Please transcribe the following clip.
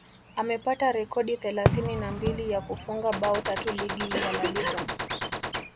amepata rekodi thelathini na mbili ya kufunga bao tatu ligi ya La Liga